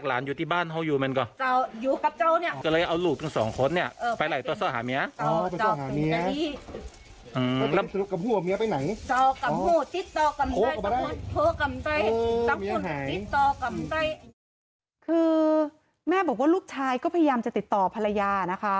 คือแม่บอกว่าลูกชายก็พยายามจะติดต่อภรรยานะคะ